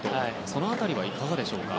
その辺りはいかがでしょうか？